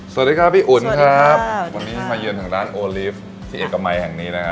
สวัสดีครับพี่อุ๋นครับวันนี้มาเยือนทางร้านโอลิฟต์ที่เอกมัยแห่งนี้นะฮะ